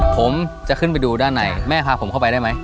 ผมจะขึ้นไปดูด้านในแม่พาผมเข้าไปได้ไหม